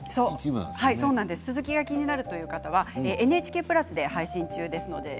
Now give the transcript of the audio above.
続きが気になるという方はＮＨＫプラスで配信中です。